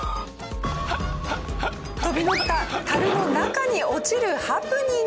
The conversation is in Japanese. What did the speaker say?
飛び乗った樽の中に落ちるハプニング！